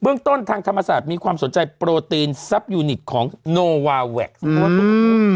เรื่องต้นทางธรรมศาสตร์มีความสนใจโปรตีนซับยูนิตของโนวาแว็กซ์